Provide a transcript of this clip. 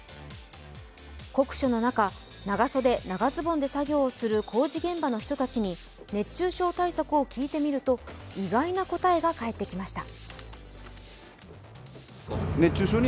酷暑の中、長袖・長ズボンで作業する工事現場の人たちに熱中症対策を聞いてみると意外な答えが返ってきました。